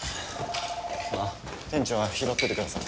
☎あっ店長は拾っててください。